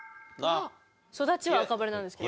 育ちは赤羽なんですけど。